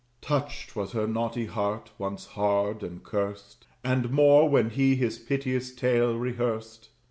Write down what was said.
Touched was her naughty heart, once hard and curst, And more when he his piteous tale rehearsed.